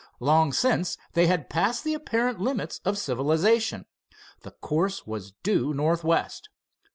Long since they had passed the apparent limits of civilization. The course was due northwest.